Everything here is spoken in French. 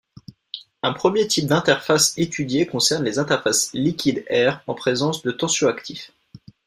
Un premier type d'interfaces étudié concerne les interfaces liquide-air en présence de tensioactifs.